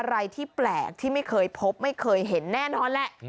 อะไรที่แปลกที่ไม่เคยพบไม่เคยเห็นแน่นอนแหละ